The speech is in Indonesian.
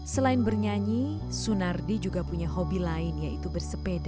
selain bernyanyi sunardi juga punya hobi lain yaitu bersepeda